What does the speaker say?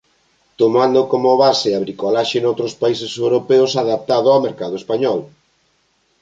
Tomando como base a bricolaxe noutros países europeos adaptado ao mercado español.